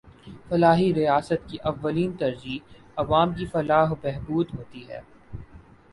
فلاحی ریاست کی اولین ترجیح عوام کی فلاح و بہبود ہوتی ہے